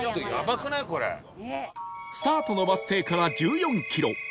スタートのバス停から１４キロ